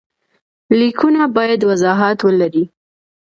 لیکونه باید وضاحت ولري.